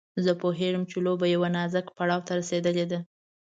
زه پوهېږم چې لوبه يوه نازک پړاو ته رسېدلې ده.